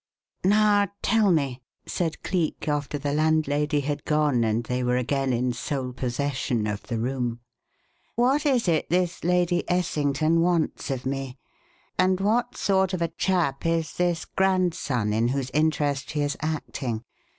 "Now tell me," said Cleek, after the landlady had gone and they were again in sole possession of the room, "what is it this Lady Essington wants of me? And what sort of a chap is this grandson in whose interest she is acting?